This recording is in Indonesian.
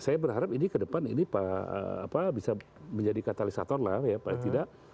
saya berharap ini ke depan ini bisa menjadi katalisator lah ya paling tidak